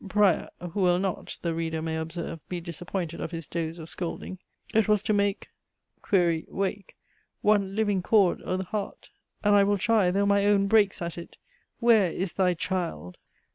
PRIOR. (who will not, the reader may observe, be disappointed of his dose of scolding) It was to make (query wake) one living cord o' th' heart, And I will try, tho' my own breaks at it. Where is thy child?